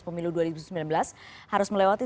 pemilu dua ribu sembilan belas harus melewati